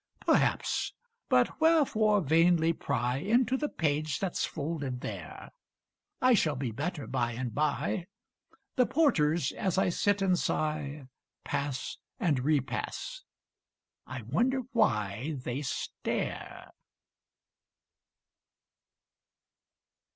Perhaps but wherefore vainly pry Into the page that's folded there? I shall be better by and by: The porters, as I sit and sigh, Pass and repass I wonder why They stare!